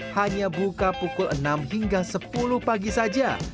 hanya buka pukul enam hingga sepuluh pagi saja